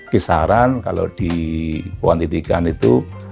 kisaran kalau di kuantitikan itu